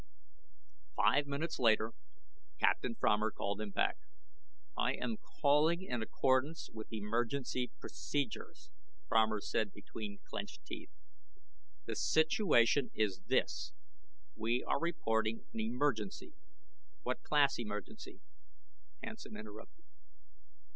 Five minutes later Captain Fromer called him back. "I am calling in accordance with emergency procedures," Fromer said between clinched teeth. "The situation is this: We are reporting an emergency " "What class emergency?" Hansen interrupted.